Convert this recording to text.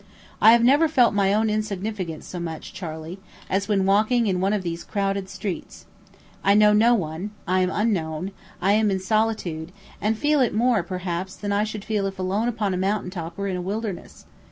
I have never felt my own insignificance so much, Charley, as when walking in one of these crowded streets. I know no one; I am unknown; I am in solitude, and feel it more, perhaps, than I should if alone upon a mountain top or in a wilderness.